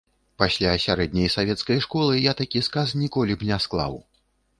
Пасля сярэдняй савецкай школы я такі сказ ніколі б не склаў.